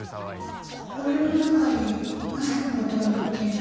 心の中でマサのことを言ってる。